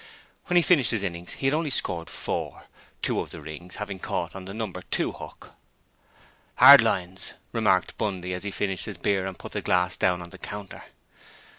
When he finished his innings, he had only scored 4, two of the rings having caught on the No. 2 hook. ''Ard lines,' remarked Bundy as he finished his beer and put the glass down on the counter.